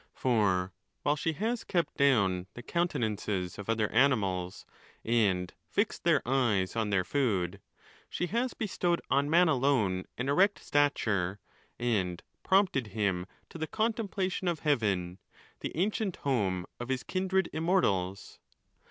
For while she has kept down the countenances of other animals, and fixed their eyes on their. food, she has bestowed on man alone an erect stature,' and prompted him to the contemplation of heaven, the ancient. home of his kindred immortals.